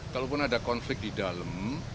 kalaupun ada konflik di dalam